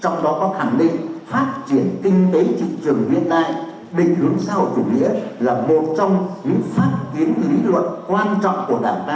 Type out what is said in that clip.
trong đó có khẳng định phát triển kinh tế thị trường hiện nay định hướng xã hội chủ nghĩa là một trong những phát kiến lý luận quan trọng của đảng ta